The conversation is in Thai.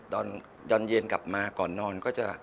ตอนเย็นกลับมาก่อนนอนก็จะ